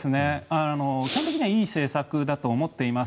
基本的にはいい政策だと思っています。